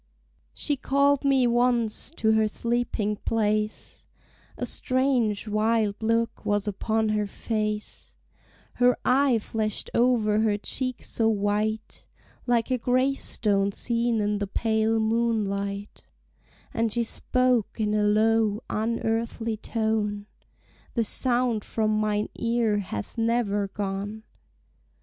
She called me once to her sleeping place, A strange, wild look was upon her face, Her eye flashed over her cheek so white, Like a gravestone seen in the pale moonlight, And she spoke in a low, unearthly tone, The sound from mine ear hath never gone!